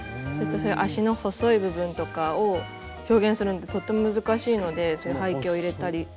足の細い部分とかを表現するのってとっても難しいのでそういう背景を入れたりして工夫しました。